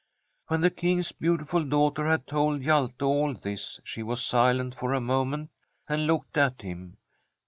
When the King's beautiful daughter had told Hjalte all this she was silent for a moment, and looked at him.